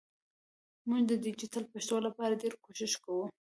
مونږ د ډیجېټل پښتو لپاره ډېر کوښښ کوو